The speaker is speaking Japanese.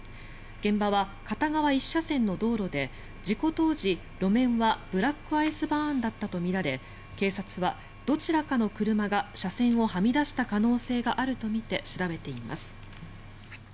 現場は片側１車線の道路で事故当時、路面はブラックアイスバーンだったとみられ警察は、どちらかの車が車線をはみ出した可能性があるとみて調べています。